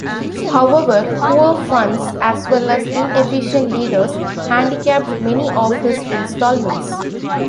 However, poor funds as well as inefficient leaders handicapped many of his installments.